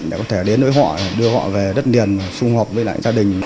để có thể đến với họ đưa họ về đất liền xung hợp với lại gia đình